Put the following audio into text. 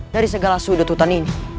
dari segala sudut hutan ini